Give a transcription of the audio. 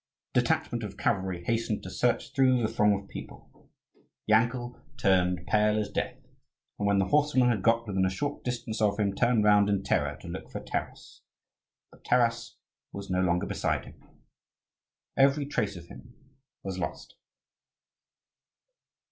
A detachment of cavalry hastened to search through the throng of people. Yankel turned pale as death, and when the horsemen had got within a short distance of him, turned round in terror to look for Taras; but Taras was no longer beside him; every trace of him was lost.